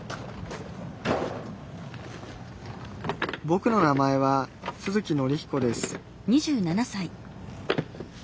ぼくの名前は都築則彦です